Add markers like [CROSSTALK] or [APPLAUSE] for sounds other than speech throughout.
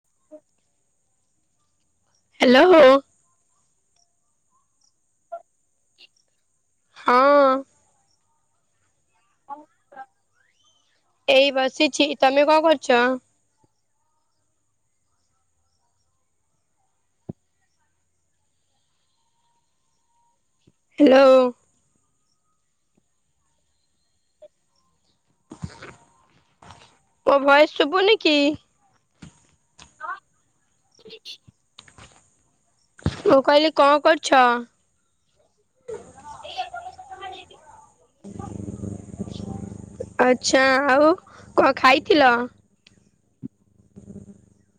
[INAUDIBLE] Hello ହୋ। [INAUDIBLE] ହଁ। କଁ କରୁଚ? ଏଇ ବସିଛି। ତମେ କଁ କରୁଛ? ହ୍ୟାଲୋ। ତୋ ଭୟେସ ଶୁଭୁନି କି? [UNINTELLIGIBLE] ମୁଁ କହିଲି କଁ କରୁଛ? ଆଛା ଆଉ କଣ ଖାଇଥିଲ? [INAUDIBLE]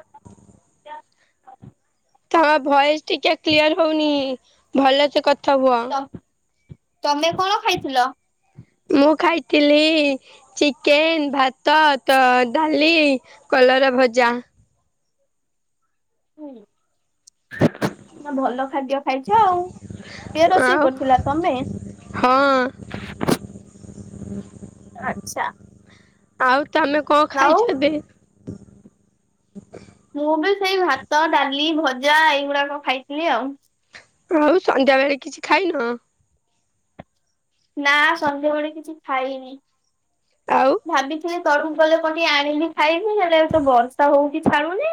[INAUDIBLE] ତମ ଭଏସ୍ ଟିକେ କ୍ଲିୟର ହଉନି ଭଲ ସେ କଥା ହୁଅ। ତମେ କଣ ଖାଇଥିଲ? ମୁଁ ଖାଇଥିଲି ଚିକେନ ଭାତ ତ ଡାଲି କଲରା ଭଜା। ନା ଭଲ ଖାଦ୍ୟ ଖାଇଚ ଆଉ। କିଏ ରୋଷେଇ ଆଉ କରିଥିଲା ତମେ? ହଁ। ଆଚ୍ଛା। ଆଉ ତମେ କଣ ଆଉ ଖାଇଛନ୍ତି? ମୁଁ ବି ସେଇ ଭାତ ଡାଲି ଭଜା ଏଇଗୁଡାକ ଖାଇଥିଲି ଆଉ। ଆଉ ସନ୍ଧ୍ୟା ବେଳେ କିଛି ଖାଇନ? ନା ସନ୍ଧ୍ୟାବେଳେ କିଛି ଖାଇନି। ଆଉ ଭାବିଥିଲି ତଳୁକୁ ଗଲେ କଣ ଟିକେ ଆଣିବି ଖାଇବି ହେଲେ ଏଠି ତ ବର୍ଷା ହଉଚି ଛାଡୁନି।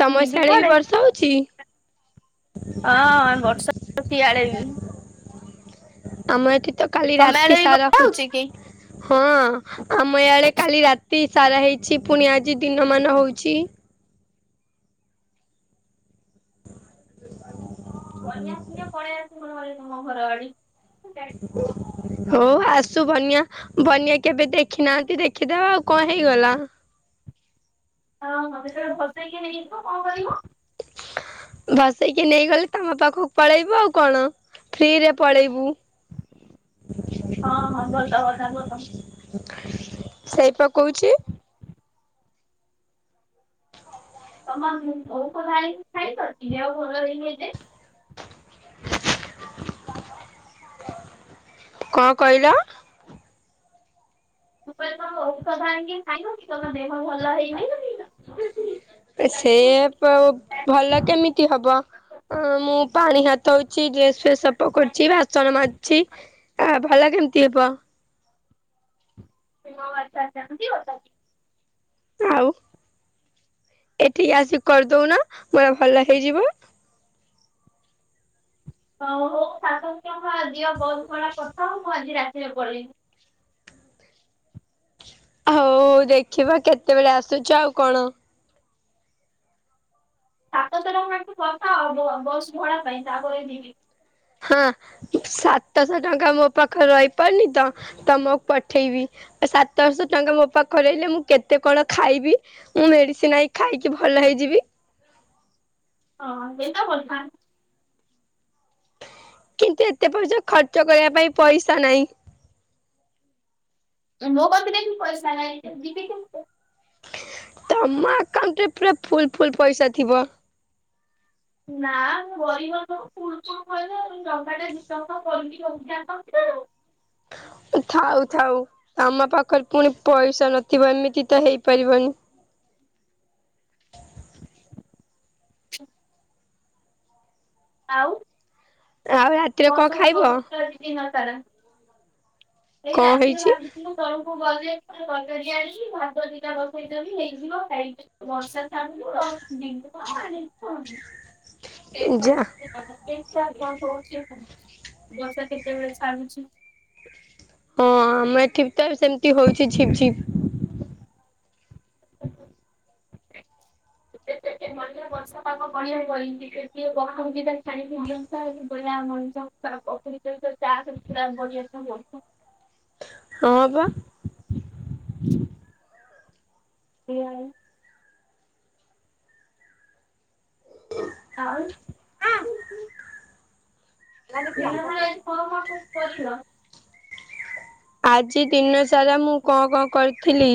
ତମ ଯିବି ସିଆଡେ ବି ବର୍ଷା କୁଆଡ଼େ। ହଉଛି? ହଁ ବର୍ଷା ଇଆଡେ ବି। ଆମ ଏଠି ତ କାଲି ତମ ଆଡେ ରାତି ବି ସାରା ବର୍ଷା ହଉଚି ହଉଛି। କି? ହଁ ଆମ ୟାଡେ କାଲି ରାତି ସାରା ହେଇଛି ପୁଣି ଆଜି ଦିନମାନ ହଉଛି। ବନ୍ୟା ଫନ୍ୟା ପଳେଇ ଆସିବ ତମ ଘର ଆଡେ। ହଁ ହଉ ଆସୁ ବନ୍ୟା ବନ୍ୟା କେବେ ଦେଖିନାହାନ୍ତି ଦେଖିଦବା ଆଉ କଣ ହେଇଗଲା। ହଁ ହଁ ଯେତେବେଳେ ଭସେଇକି ନେଇଯିବ କଣ କରିବ। ଭସେଇକି ନେଇଗଲେ ତମ ପାଖକୁ ପଳେଇବୁ ଆଉ କଣ ଫ୍ରିରେ ପଳେଇବୁ। ହଁ ହଁ ଭଲ କଥା ଭଲ ସେଇ ପା କହୁଚି। ତମ ଔଷଧ ଆଣିକି ଖାଇଲ ଦିହ ଭଲ ହେଇନି ଏ ଯାଏଁ। କଣ କହିଲ? ମୁଁ କହିଲି ତମ ଔଷଧ ଆଣିକି ଖାଇବ କି ତମ ଦେହ ଭଲ ହେଇନେଇ। ସେ ପ ଭଲ କେମିତି ହବ? ଉଁ ମୁଁ ପାଣି ହାତ ହଉଛି ଡ୍ରେସ୍ ଫେସ୍ ସଫା କରୁଛି ବାସନ ମାଜୁଛି। ଆ ଭଲ କେମିତି ହବ। ହଉ ଅଛା ଆଛା ଏମିତି କଥା। ଆଉ ଏଠିକି ଆସିକି କରିଦଉନ ମୋର ଭଲ ହେଇଯିବ। ହଉ ହଉ ସାତଶହ ଟଙ୍କା ଦିଅ ଫୋନ୍ ପେରେ ପଠାଅ ମୁଁ ଆଜି ରାତିରେ ପଳେଇବି। ହଉ ଦେଖିବା କେତେବେଳେ ଆସୁଛ ଆଉ କଣ? ସାତ ଶହ ଟଙ୍କା ପଠାଅ ମୋ ବସ୍ ଭଡା ପାଇଁ ତାପରେ ଯିବି। ହଁ ସାତଶହ ଟଙ୍କା ମୋ ପାଖରେ ରହିପାରୁନି ତ ତମକୁ ପଠେଇବି ସାତଶହ ଟଙ୍କା ମୋ ପାଖରେ ରହିଲେ ମୁଁ କେତେ କଣ ଖାଇବି। ମୁଁ ମେଡିସିନ ଆଇ ଖାଇକି ଭଲ ହେଇଯିବି। ହଁ ଏଇତ କଥା। କିନ୍ତୁ ଏତେ ପଇସା ଖର୍ଚ୍ଚ କରିବା ପାଇଁ ପଇସା ନାହିଁ। ମୋ କତିରେ ବି ପଇସା ନାହିଁ ଯିବି କେମିତି? ତମ ଆକାଉଣ୍ଟରେ ପୁରା ଫୁଲ୍ ଫୁଲ୍ ପଇସା ଥିବ। ନା ମୁଁ ଗରିବ ଲୋକ [UNINTELLIGIBLE] ଟଙ୍କାଟେ ଦି ଟଙ୍କା କରିକି ରଖିବା କଥା ଆଉ। ଥାଉ ଥାଉ ଆମ ପାଖରେ ପୁଣି ପଇସା ନଥିବ ଏମିତି ତ ହେଇପାରିବନି। ହ ଆଉ? ଆଉ ରାତିରେ କଣ ସବୁ ଖାଇବ କରୁଚ [UNINTELLIGIBLE] ଦିନ ସାରା? ଏଇ କଣ ରାତିରେ ହେଇଛି? ଭାବିଥିଲୁ ତଳୁକୁ [UNINTELLIGIBLE] ଭାତ ଦିଟା ବସେଇଦେବି ହେଇଯିବ ଖାଇ ବର୍ଷା [UNINTELLIGIBLE] [UNINTELLIGIBLE] ଯା ହଉଛି। ବର୍ଷା କେତେବେଳେ ଛାଡୁଛି। ହଁ ଆମେ ଏଠିକ୍ ତ ସେମିତି ହଉଛି ଝିପ୍ ଝିପ୍। [INAUDIBLE] [UNINTELLIGIBLE] [UNINTELLIGIBLE] ହଁ ବା। [UNINTELLIGIBLE] [INAUDIBLE] ଆଉ? [UNINTELLIGIBLE] ଆଜି କଣ କଣ ସବୁ କରିିଲ? ଆଜି ଦିନ ସାରା ମୁଁ କଣ କଣ କରିଥିଲି।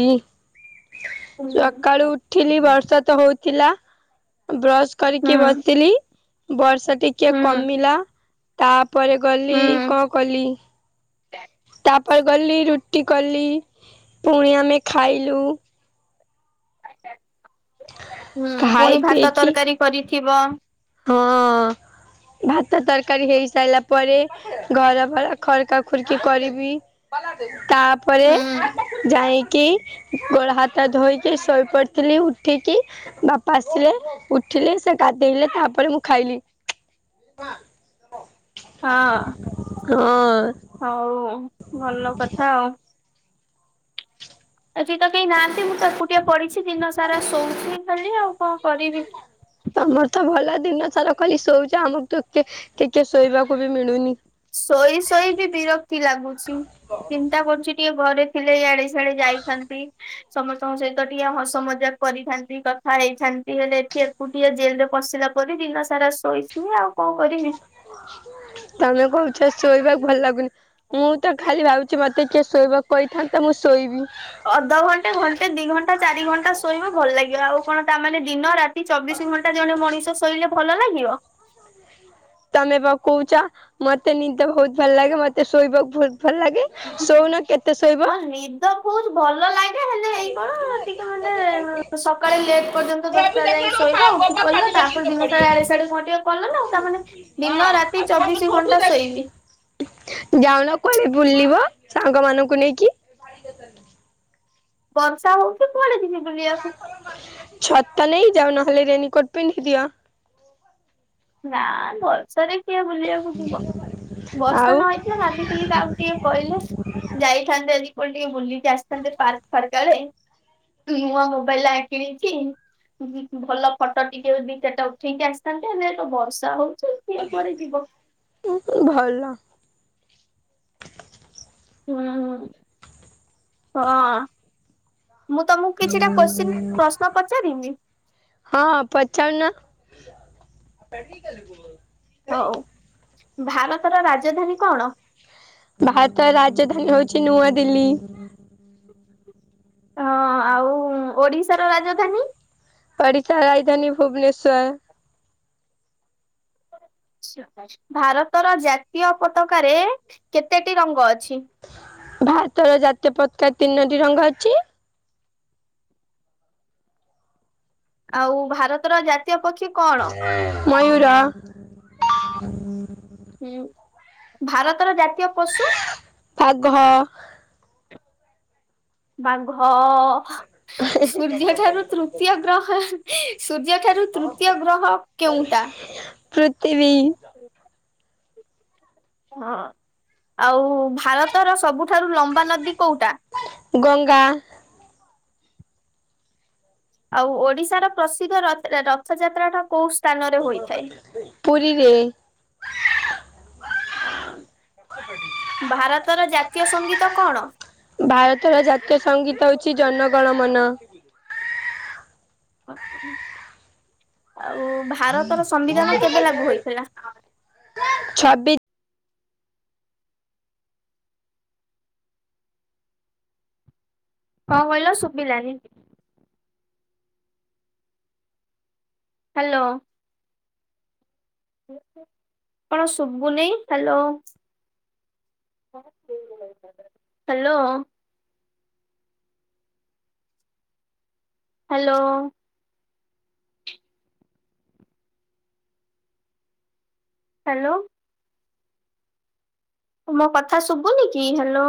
ସକାଳୁ ଉଠିଲି ବର୍ଷା ତ ହଉଥିଲା। ବ [UNINTELLIGIBLE] କରିକି ହୁଁ। ବସିଲି, ବର୍ଷା ଟିକେ କମିଲା, ତାପରେ ଗଲି କଣ କଲି, [UNINTELLIGIBLE] ତାପରେ ଗଲି ରୁଟି କଲି, ପୁଣି ଆମେ ଖାଇଲୁ। ହୁଁ ଖାଇ ପୁଣି ଭାତ ପିଇକି ତରକାରୀ କରିଥିବ। ହଁ। ଭାତ ତରକାରୀ ହେଇସାରିଲା ପରେ ଘର ଫର ଖରକା ଖୁରକି କରିବି। ତାପରେ ହୁଁ ହଁ। ଯାଇଁକି ଗୋଳା ହାତ ଧୋଇକି ଶୋଇପଡିଥିଲି, ଉଠିକି ବାପା ଆସିଲେ ଉଠିଲେ ସେ କାଦେଇଲେ ତାପରେ ପରେ ମୁଁ ଖାଇଲି। [INAUDIBLE] ହଁ। [INAUDIBLE] ହଁ। ହଉଆ ଭଲ କଥା ଆଉ। ଆଜିି ତ କେହି ନାହାନ୍ତି ମୁଁ ତ ଏକୁଟିଆ ପଢିଛି ଦିନ ସାରା ଶୋଉଛିି ଖାଲି ଆଉ କଣ କରିବି। ତମର ତ ଭଲ ଦିନ ସାରା ଖାଲି ଶୋଇଉଛ ଆମକୁ [UNINTELLIGIBLE] ଶୋଇବାକୁ ବି ମିଳୁନି। ଶୋଇ ଶୋଇ ବି ବିରକ୍ତି ଲାଗୁଛି। ଚିନ୍ତା କରୁଛି ଟିକେ ଘରେ ଥିଲେ ଇଆଡେ ସିଆଡେ ଯାଇଥାନ୍ତି। ସମସ୍ତଙ୍କ ସହିତ ଟିକେ ହସ ମଜାକ କରିଥାନ୍ତି କଥା ହେଇଥାନ୍ତି ହେଲେ ଏଠି [UNINTELLIGIBLE] ଟିକେ ଜେଲ ରେ ପସିଲା ପରେ ଦିନ ସାରା ଶୋଇଥୀବି ଆଉ କଣ କରିବି। ତମେ କହୁଛ ଶୋଇବାକୁ ଭଲ ଲାଗୁନି। ମୁଁ ତ ଖାଲି ଭାବୁଛି ମତେ କିଏ ଶୋଇବାକୁ କହିଥାନ୍ତା, ମୁଁ ଶୋଇବି। ଅଧଘଣ୍ଟେ ଘଣ୍ଟେ ଦି ଘଣ୍ଟା ଚାରି ଘଣ୍ଟା ଶୋଇବ ଭଲ ଲାଗିବ, ଆଉ କଣ ତାମାନେ ଦିନ ରାତି ଚବିଶ ଘଣ୍ଟା ଜଣେ ମଣିଷ ଶୋଇଲେ ଭଲ ଲାଗିବ। [INAUDIBLE] ତମେ ବା କହୁଛ? ମତେ ନିଦେ ବହୁତ ଭଲ ଲାଗେ, ମତେ ଶୋଇବାକୁ ବହୁତ ଭଲ ଲାଗେ। ଶଉନ କେତେ ଶୋଇବ ହଁ ନିଦ ବହୁତ୍ ଭଲ ଲା [UNINTELLIGIBLE] କଣ ଟିକେ ମାନେ ସକାଳେ ଲେଟ ପର୍ଯ୍ୟନ୍ତ ଦଶଟା ଯାଇ ଶୋଇବା ଆଉ। କଲ ତାପ ଦିନ ସାର ଆଡେ ସିଆଡେ କ ଟିକେ କଲ ନା ଆଉ ତାମାନେ ଦିନ ରାତି ଚବିଶି ଘଣ୍ଟା ଶୋଇବି। ଯାଉନ କୁଆଡେ ବୁଲିବ ସାଙ୍ଗ ମାନଙ୍କୁ ନେଇକି? ବର୍ଷା ହଉଛି କୁଆଡେ ଯିବି ବୁଲିବାକୁ। ଛତା ନେଇ ଯାଅ ନହେଲେ ରେନିକୋର୍ଟ ପିଢ଼ିଦିଅ। ନା ବର୍ଷାରେ କିଏ ବୁଲିବାକୁ ଯିବ ବର୍ଷା ଆଉ ନ ହେଇଥିଲା ଭାବିଥିଲି କାହାକୁ ଟିକେ କହିଲେ ଯାଇଥାନ୍ତେ ଆଜି କଣ ଟିକେ ବୁଲିକି ଆସିଥାନ୍ତେ ପାର୍କ ଫାର୍କ ଆଡେ। ନୂଆ ମୋବାଇଲି ମୋବାଇଲି ଟା ଆକିଣି କି ଭଲ ଫଟୋ ଟିକେ ଦି ଚଟା ଉଠେଇକି ଆସିଥାନ୍ତେ ଏ ବର୍ଷା ହଉଛି। କିଏ କୁଆଡେ ଯିବ ଭଲ। ହୁଁ ହଁ। ମୁଁ ତମକୁ କିଛିଟା କୋଶ୍ଚିନ୍ ପ୍ରଶ୍ନ ପଚାରିବି। ହଁ ପଚାଉ ନା ହଉ ଭାରତର ରାଜଧାନୀ କଣ? ଭାରତର ରାଜଧାନୀ ହଉଛି ନୂଆଦିଲ୍ଲୀ। ହଁ ଆଉ ଓଡିଶାର ରାଜଧାନୀ ଓଡ଼ିଶା ର ରାଜଧାନୀ ଭୁବନେଶ୍ଵର। ଭାରତର ଜାତୀୟ ପତାକାରେ କେତେଟି ରଙ୍ଗ ଅଛି? ଭାରତର ଜାତୀୟ ପତାକା ତିନୋଟି ରଙ୍ଗ ଅଛି। ଆଉ ଭାରତର ଜାତୀୟ ପକ୍ଷୀ କଣ? ମୟୂୁର। [INAUDIBLE] ହୁଁ ଭାରତର ଜାତୀୟ ପଶୁ ବାଘ। ବାଘ [INAUDIBLE] ସୂର୍ଯ୍ୟ ଠାରୁ ତୃତୀୟ ଗ୍ରହ ସୂର୍ଯ୍ୟ ଠାରୁ ତୃତୀୟ ଗ୍ରହ କେଉଁଟା? ପୃଥିବୀ। ହଁ ଆଉ ଭାରତର ସବୁଠାରୁ ଲମ୍ବା ନଦୀ କୋଉଟା? ଗଂଙ୍ଗା। ଆଉ ଓଡିଶାର ପ୍ରସିଦ୍ଧ ରତ ରଥଯାତ୍ରା ଟା କୋଉ ସ୍ଥାନରେ ହୋଇଥାଏ? ପୁରୀରେ। ହ ଭାରତର ଜାତୀୟ ସଙ୍ଗୀତ କଣ? ଭାରତର ଜାତୀୟ ସଙ୍ଗୀତ ହେଉଛି ଜନ ଗଣ ମନ। ଆଉ ଭାରତର ସମ୍ବିଧାନ କେବେ ଲାଗୁ ହେଇଥିଲା? ଛବିଶ କଣ କହିଲ ଶୁଭିଲାଣିି? ହ୍ୟାଲୋ। କଣ ଶୁଭୁନି ହ୍ୟାଲୋ? ହ୍ୟାଲୋ ହ୍ୟାଲୋ ହ୍ୟାଲୋ ମୋ କଥା ଶୁଭୁନି କି? ହ୍ୟାଲୋ।